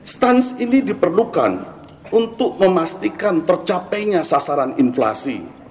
stans ini diperlukan untuk memastikan tercapainya sasaran inflasi